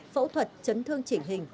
phẫu thuật chấn thương chỉnh hình